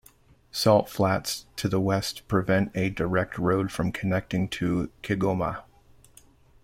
Salt flats to the west prevent a direct road from connecting to Kigoma.